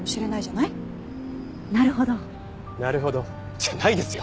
「なるほど」じゃないですよ！